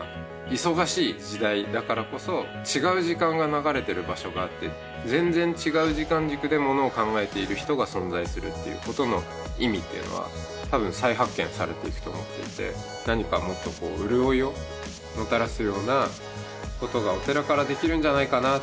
忙しい時代だからこそ違う時間が流れてる場所があって全然違う時間軸でものを考えている人が存在するっていうことの意味っていうのは多分再発見されていくと思っていて何かもっとこう潤いをもたらすようなことがお寺からできるんじゃないかな